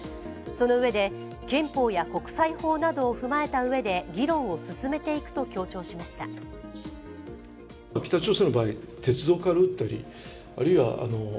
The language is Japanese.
そのうえで、憲法や国際法などを踏まえた上で議論を進めていくと強調しました。